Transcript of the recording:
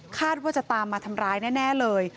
คาดว่าจะตามมาทำร้ายแน่เลย